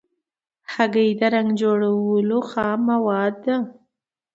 هګۍ د رنګ جوړولو خام مواد ده.